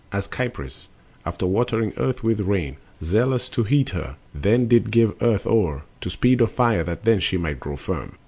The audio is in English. As Kypris, after watering Earth with Rain, Zealous to heat her, then did give Earth o'er To speed of Fire that then she might grow firm.